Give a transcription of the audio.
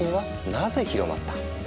なぜ広まった？